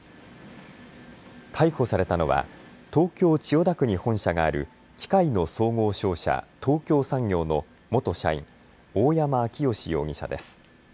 逮捕されたのは東京千代田区に本社がある機械の総合商社、東京産業の元社員、大山彰義容疑者です。